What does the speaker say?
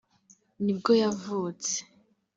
ni bwo yavutse